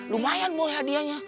lumayan boleh hadianya